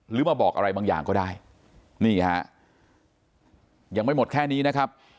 มาบอกอะไรบางอย่างก็ได้นี่ฮะยังไม่หมดแค่นี้นะครับ